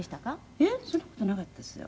いえそんな事なかったですよ。